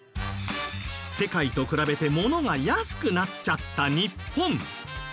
世界と比べて物が安くなっちゃった日本。